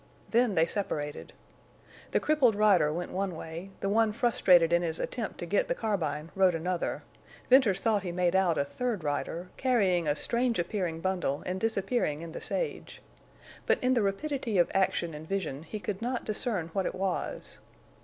Then they separated. The crippled rider went one way; the one frustrated in his attempt to get the carbine rode another, Venters thought he made out a third rider, carrying a strange appearing bundle and disappearing in the sage. But in the rapidity of action and vision he could not discern what it was.